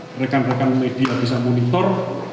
mereka mereka media bisa monitor